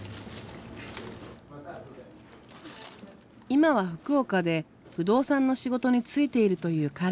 今は福岡で不動産の仕事に就いているという彼。